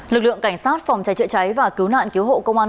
lực lượng cảnh sát phòng cháy chữa cháy và cứu nạn cứu hộ công an